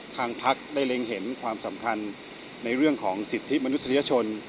ทางพักได้เล็งเห็นความสำคัญในเรื่องของสิทธิมนุษยชน